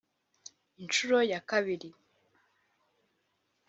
inshuro ya kabiri